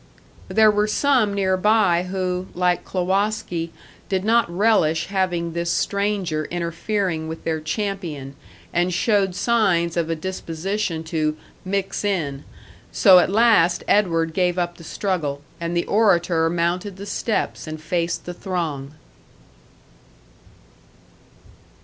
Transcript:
There were some near by who, like Klowoski, did not relish having this stranger interfering with their champion, and showed signs of a disposition to "mix in"; so at last Edward gave up the struggle, and the orator mounted the steps and faced the throng.